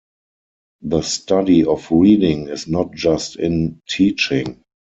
The study of reading is not just in teaching.